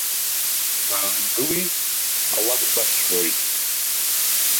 Баангыли, алакә басҳәоит.